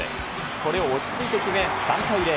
これを落ち着いて決め、３対０。